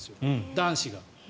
男子が。